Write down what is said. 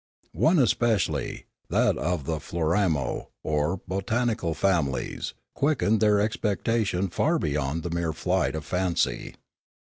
One especially, that of the Floramo or botanical families, quickened their expecta tion far beyond the mere flight of fancy.